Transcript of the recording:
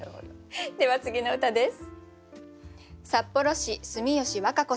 では次の歌です。